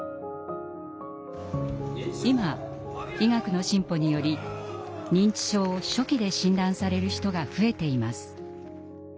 今医学の進歩により認知症を初期で診断される人が増えています。